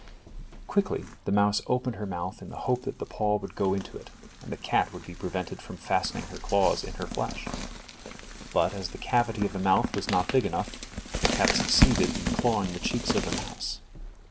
Quickly the mouse opened her mouth in the hope that the paw would go into it, and the cat would be prevented from fastening her claws in her flesh. But as the cavity of the mouth was not big enough, the cat succeeded in clawing the cheeks of the mouse.